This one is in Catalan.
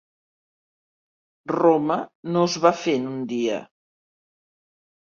Roma no es va fer en un dia.